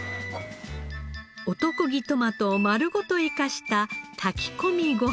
男気トマトを丸ごと生かした炊き込みご飯。